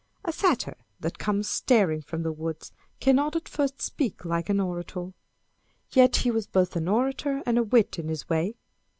A Satyr that comes staring from the woods, Cannot at first speak like an orator. Yet he was both an orator and a wit in his way.